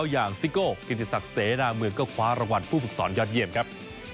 อย่างซิโก้กิติศักดิ์เสนาเมืองก็คว้ารางวัลผู้ฝึกสอนยอดเยี่ยมครับ